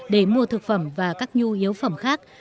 để mua thực phẩm và các nhu yếu phẩm khác